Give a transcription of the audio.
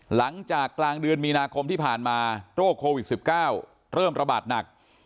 หลังจากกลางเดือนมีนาคมที่ผ่านมาโรคโควิด๑๙เริ่มระบาดหนัก